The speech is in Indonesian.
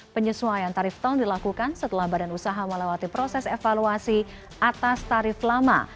penyesuaian tarif tol dilakukan setelah badan usaha melewati proses evaluasi atas tarif lama